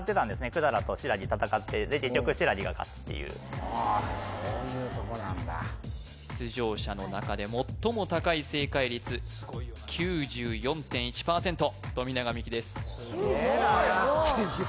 百済と新羅戦ってで結局新羅が勝つっていうそういうとこなんだ出場者の中で最も高い正解率９４．１％富永美樹です・すげえな９４！